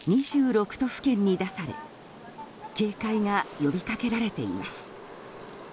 都府県に出され警戒が呼びかけられています。